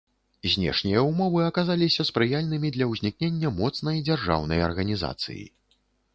Знешнія ўмовы аказаліся спрыяльнымі для ўзнікнення моцнай дзяржаўнай арганізацыі.